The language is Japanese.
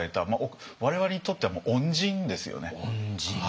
我々にとってはもう恩人ですよね。